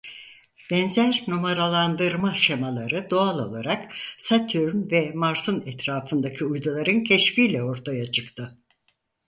Benzer numaralandırma şemaları doğal olarak Satürn ve Mars'ın etrafındaki uyduların keşfiyle ortaya çıktı.